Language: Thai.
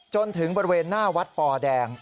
จนถึงบริเวณหน้าวัดปอแดง